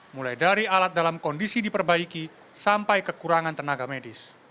mulai dari alat dalam kondisi diperbaiki sampai kekurangan tenaga medis